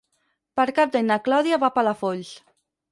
Per Cap d'Any na Clàudia va a Palafolls.